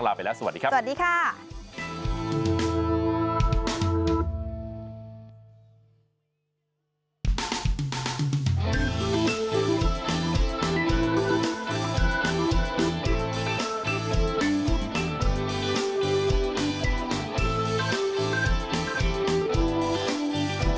อาปี๒จะถึงปี๓นะปีนะ